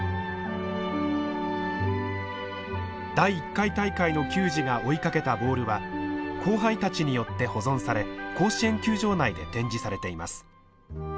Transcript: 第１回大会の球児が追いかけたボールは後輩たちによって保存され甲子園球場内で展示されています。